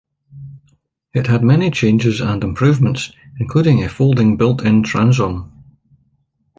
It had many changes and improvements including a folding built-in transom.